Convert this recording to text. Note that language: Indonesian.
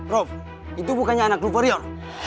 rov itu bukannya anak luverior